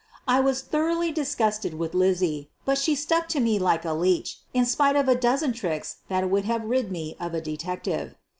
I was thoroughly disgusted with Lizzie, but she stuck to me like a leech, in spite of a dozen tricks that would have rid me of a detective.